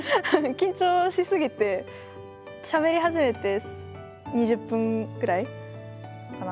緊張しすぎてしゃべり始めて２０分くらいかな